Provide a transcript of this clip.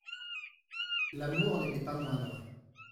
L'amour n'était pas moindre.